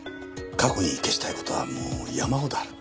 過去に消したい事はもう山ほどある。